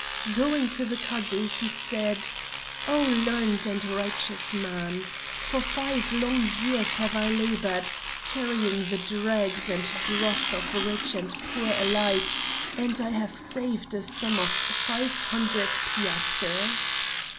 Going to the Cadi, he said: "Oh learned and righteous man, for five long years have I labored, carrying the dregs and dross of rich and poor alike, and I have saved a sum of five hundred piasters.